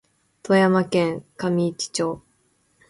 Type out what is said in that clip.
富山県上市町